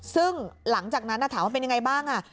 ซึ่งหลังจากนั้นถามว่าเป็นยังไงบ้าง